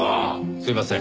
すいません